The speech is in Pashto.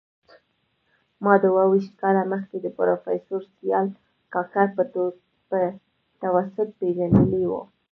ما دوه ویشت کاله مخکي د پروفیسر سیال کاکړ په توسط پېژندلی و